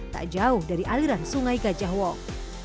tak jauh dari aliran sungai gajah wong